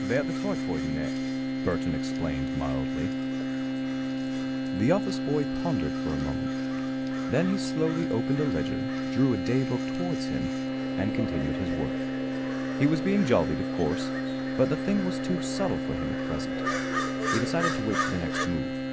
"About the typhoid and that," Burton explained, mildly. The office boy pondered for a moment. Then he slowly opened a ledger, drew a day book towards him, and continued his work. He was being jollied, of course, but the thing was too subtle for him at present. He decided to wait for the next move.